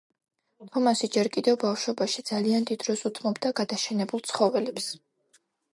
თომასი ჯერ კიდევ ბავშვობაში ძალიან დიდ დროს უთმობდა გადაშენებულ ცხოველებს.